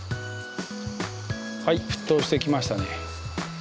はい沸騰してきましたね。